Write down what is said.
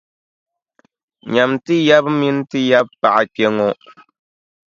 Nyami ti yaba mini ti yabipaɣa kpe ŋɔ.